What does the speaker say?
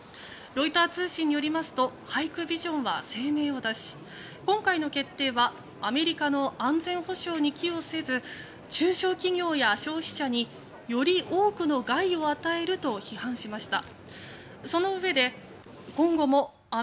ロイター通信によりますとハイクビジョンは声明を出し今回の決定はアメリカの安全保障に寄与せず中小企業や消費者により多くの害を与えると批判しました。